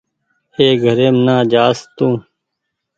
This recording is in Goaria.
اي گھريم نا جآس تو